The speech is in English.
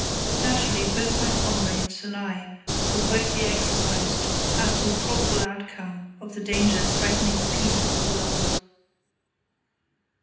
Naturally, both my comrades and I were greatly exercised as to the probable outcome of the danger threatening the peace of the world.